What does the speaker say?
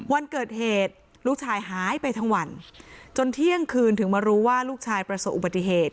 วันเกิดเหตุลูกชายหายไปทั้งวันจนเที่ยงคืนถึงมารู้ว่าลูกชายประสบอุบัติเหตุ